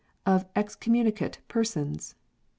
Of Excommunicate Persons.